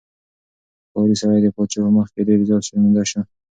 ښکاري سړی د پاچا په مخ کې ډېر زیات شرمنده شو.